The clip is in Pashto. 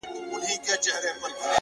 • زه بې عقل وم چی کسب می خطا کړ ,